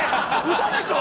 嘘でしょ！